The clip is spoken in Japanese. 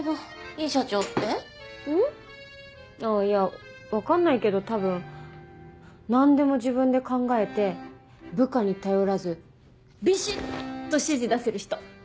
いや分かんないけど多分何でも自分で考えて部下に頼らずビシっと指示出せる人。